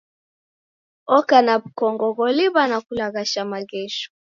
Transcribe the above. Oka na w'ukongo gholiw'a na kulaghasha maghesho.